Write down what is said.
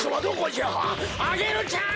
アゲルちゃん